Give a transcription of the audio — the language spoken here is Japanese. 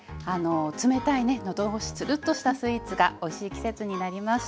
冷たいね喉越しツルッとしたスイーツがおいしい季節になりました。